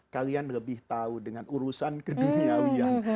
kalian lebih tahu dengan urusan keduniawian